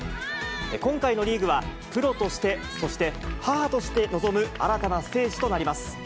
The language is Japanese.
今回のリーグは、プロとして、そして母として臨む新たなステージとなります。